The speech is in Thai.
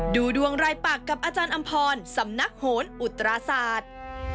ดูดวงรายปากกับอาจารย์อำพรสำนักโหนอุตราศาสตร์